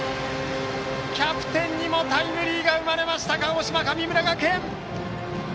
キャプテンにもタイムリーが生まれました鹿児島・神村学園。